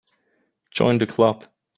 Join the Club.